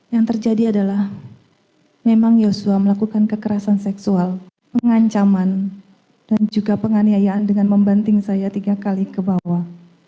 yang terjadi adalah memang yosua melakukan kekerasan seksual pengancaman dan juga penganiayaan dengan membanting saya tiga kali ke bawah